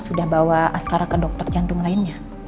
sudah bawa askara ke dokter jantung lainnya